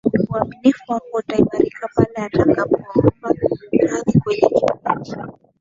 uaminifu wako utaimarika pale utakapoomba radhi kwenye kipindi